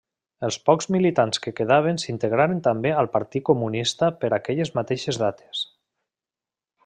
Els pocs militants que quedaven s'integraren també al Partit Comunista per aquelles mateixes dates.